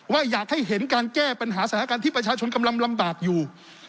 อยากให้เห็นการแก้ปัญหาสถานการณ์ที่ประชาชนกำลังลำบากอยู่